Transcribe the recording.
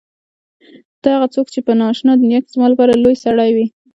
ته هغه څوک چې په نا آشنا دنیا کې زما لپاره لوى سړى وې.